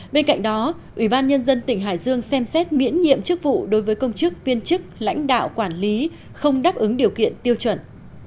bên cạnh đó ủy ban nhân dân tỉnh hải dương xem xét miễn nhiệm chức vụ đối với công chức viên chức lãnh đạo quản lý không đáp ứng điều kiện tiêu chuẩn